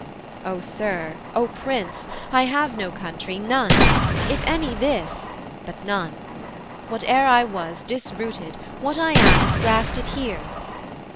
'O Sir, O Prince, I have no country; none; If any, this; but none. Whate'er I was Disrooted, what I am is grafted here.